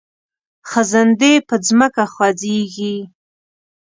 خزندې په ځمکه خوځیږي